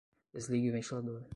Desligue o ventilador